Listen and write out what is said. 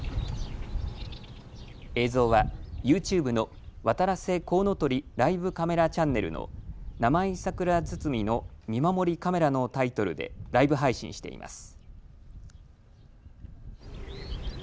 映像はＹｏｕＴｕｂｅのわたらせコウノトリライブカメラチャンネルの生井桜づつみの見守りカメラのタイトルでライブ配信しています。